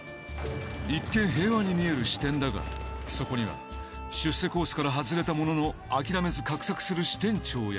一見平和に見える支店だがそこには出世コースから外れたものの諦めず画策する支店長や。